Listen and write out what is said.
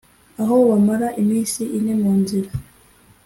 aho bamara iminsi ine mu nzira